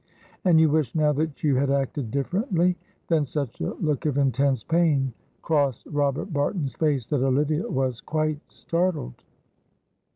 "And you wish now that you had acted differently;" then such a look of intense pain crossed Robert Barton's face that Olivia was quite startled.